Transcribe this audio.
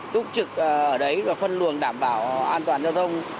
túc trực ở đấy và phân luồng đảm bảo an toàn giao thông